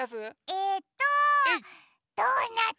えっとドーナツ！